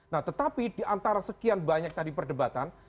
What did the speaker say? nah tetapi di antara sekian banyak tadi perdebatan